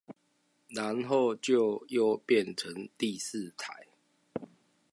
然後就又變成第四台